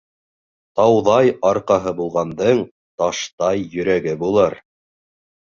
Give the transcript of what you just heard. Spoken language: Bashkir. Тауҙай арҡаһы булғандың таштай йөрәге булыр.